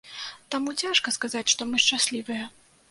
Таму цяжка сказаць, што мы шчаслівыя.